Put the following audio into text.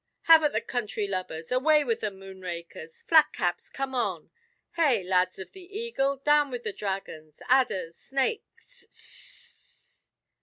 "Have at the country lubbers! Away with the moonrakers! Flat caps, come on!" "Hey! lads of the Eagle! Down with the Dragons! Adders Snakes—s s s s s!"